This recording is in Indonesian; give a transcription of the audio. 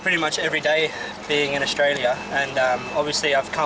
tim sudah berlatih selama satu minggu